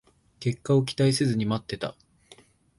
結果を期待せずに待ってた